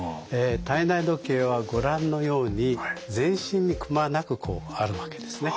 体内時計はご覧のように全身にくまなくあるわけですね。